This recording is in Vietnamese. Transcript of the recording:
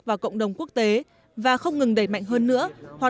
và cộng đồng quốc tế và không ngừng đẩy mạnh hơn nữa